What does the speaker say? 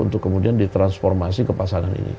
untuk kemudian ditransformasi ke pasangan ini